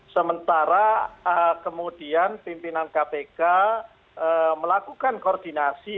sementara kemudian pimpinan kpk melakukan koordinasi